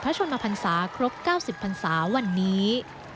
ชนมพันศาครบ๙๐พันศาวันนี้